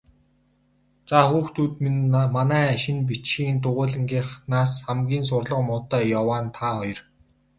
Заа, хүүхдүүд минь, манай шинэ бичгийн дугуйлангийнхнаас хамгийн сурлага муутай яваа нь та хоёр.